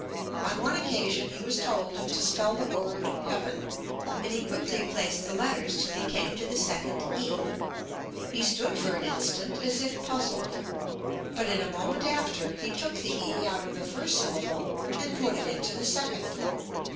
On one occasion he was told to spell the word Heaven, and he quickly placed the letters till he came to the second e; he stood for an instant as if puzzled, but in a moment after he took the e out of the first syllable, and put it into the second.